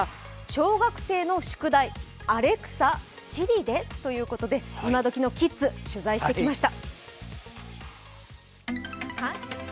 小学生の宿題、アレクサ、Ｓｉｒｉでということで、イマドキのキッズ取材してきました。